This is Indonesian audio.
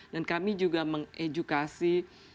dan kami juga mengedukasi